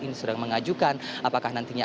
ini sedang mengajukan apakah nantinya